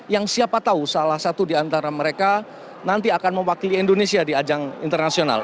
yang siapa tahu salah satu di antara mereka nanti akan mewakili indonesia di ajang internasional